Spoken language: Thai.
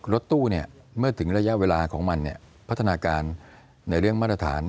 รถตู้เมื่อถึงระยะเวลาของมันพัฒนาการในเรื่องมาตรฐาน